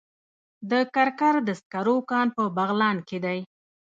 د کرکر د سکرو کان په بغلان کې دی